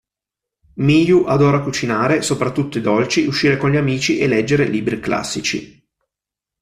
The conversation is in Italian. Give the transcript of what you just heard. Miyu adora cucinare, soprattutto i dolci, uscire con gli amici e leggere libri classici.